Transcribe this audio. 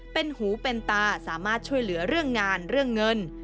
เป็นหูเป็นตาสามารถช่วยเหลือเรื่องงานเรื่องเงิน